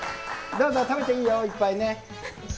どうぞ、食べていいよ、いっぱいね。